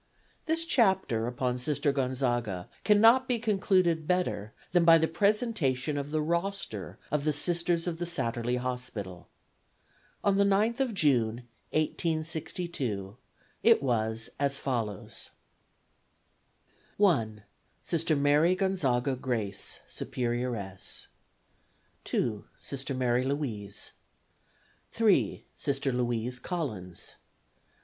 This chapter upon Sister Gonzaga cannot be concluded better than by the presentation of the roster of Sisters of the Satterlee Hospital. On the 9th of June, 1862, it was as follows: 1. Sister Mary Gonzaga Grace, Superioress. 2. Sister Mary Louis. 3. Sister Louise Collins.